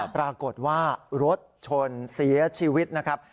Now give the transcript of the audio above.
ปรากฏว่ารถชนเสียชีวิตนะครับ